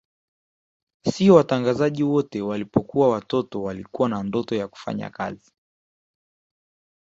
Sio watangazaji wote walipokuwa watoto walikuwa na ndoto ya kufanya kazi